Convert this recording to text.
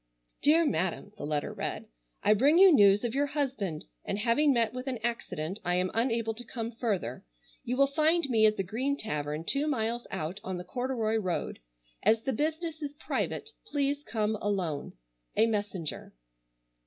"DEAR MADAM:" the letter read, "I bring you news of your husband, and having met with an accident I am unable to come further. You will find me at the Green Tavern two miles out on the corduroy road. As the business is private, please come alone. "A MESSENGER."